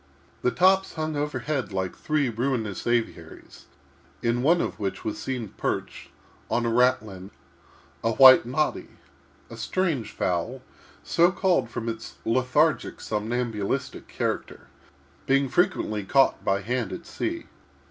These tops hung overhead like three ruinous aviaries, in one of which was seen, perched, on a ratlin, a white noddy, a strange fowl, so called from its lethargic, somnambulistic character, being frequently caught by hand at sea.